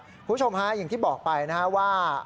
คุณผู้ชมฮะอย่างที่บอกไปนะฮะว่า